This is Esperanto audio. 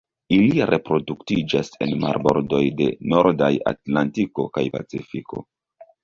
Ili reproduktiĝas en marbordoj de nordaj Atlantiko kaj Pacifiko.